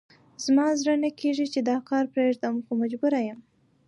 زما زړه نه کېږي چې دا کار پرېږدم، خو مجبور یم.